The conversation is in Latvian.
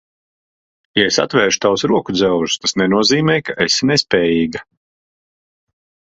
Ja es atvēršu tavus rokudzelžus, tas nenozīmē, ka esi nespējīga.